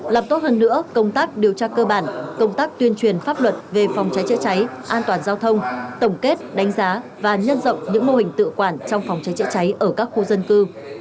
đồng chí thứ trưởng nhấn mạnh lập tốt hơn nữa công tác điều tra cơ bản công tác tuyên truyền pháp luật về phòng cháy chữa cháy an toàn giao thông tổng kết đánh giá và nhân dọng những mô hình tự quản trong phòng cháy chữa cháy ở các khu dân cư